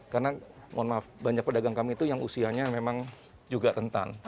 karena banyak pedagang kami itu yang usianya memang juga rentan